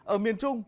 ở miền trung